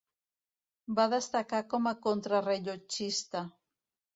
Va destacar com a contrarellotgista.